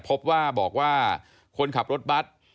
พบว่าบอกว่าคนขับรถบัตร